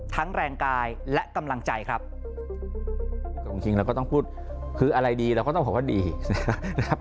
แรงกายและกำลังใจครับจริงจริงเราก็ต้องพูดคืออะไรดีเราก็ต้องบอกว่าดีนะครับ